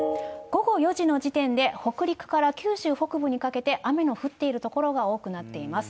午後４時の時点で北陸から九州北部にかけて雨の降っている所が多くなっています。